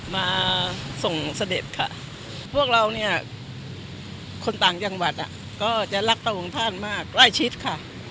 มาส่งเสด็จค่ะพวกเราเนี่ยคนต่างจังหวัดก็จะรักพระองค์ท่านมากใกล้ชิดค่ะ